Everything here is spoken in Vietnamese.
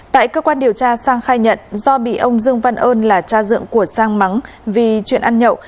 tại cơ quan điều tra sang khai nhận do bị ông dương văn ơn là cha dựng của sang mắng vì chuyện ăn nhậu